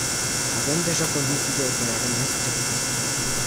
Avem deja condiții de operare mai stricte.